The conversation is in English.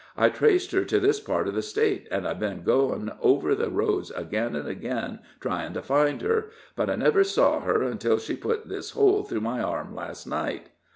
I traced her to this part of the State, and I've been going over the roads again and again trying to find her; but I never saw her until she put this hole through my arm last night."